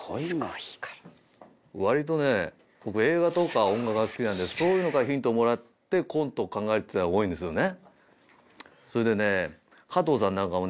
わりとね僕映画とか音楽が好きなんでそういうのからヒントをもらってコントを考えるってのが多いんですそれでね加藤さんなんかもね